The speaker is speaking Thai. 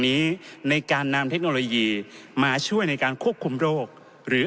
นี้ในการนำเทคโนโลยีมาช่วยในการควบคุมโรคหรือ